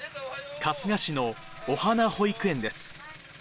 春日市のオハナ保育園です。